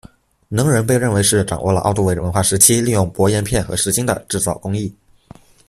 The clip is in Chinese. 能人被认为是掌握了奥杜韦文化时期利用薄岩片和石芯的制造工艺。